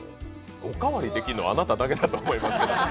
おかわりできるの、あなただけだと思いますけど。